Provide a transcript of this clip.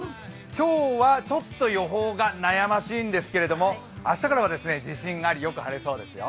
今日はちょっと予報が悩ましいんですけれども明日からは自信がありよく晴れそうですよ。